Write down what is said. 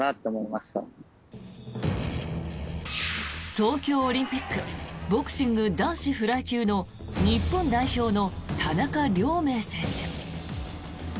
東京オリンピックボクシング男子フライ級の日本代表の田中亮明選手。